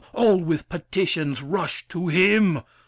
All with petitions rush To him!